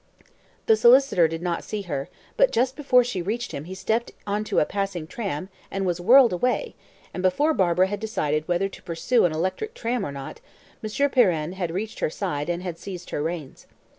The solicitor did not see her, but just before she reached him he stepped on to a passing tram and was whirled away, and before Barbara had decided whether to pursue an electric tram or not, Monsieur Pirenne had reached her side and seized her reins.